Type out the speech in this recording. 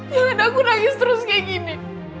jangan aku nangis terus kayak gini